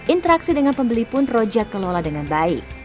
interaksi dengan pembeli pun roja kelola dengan baik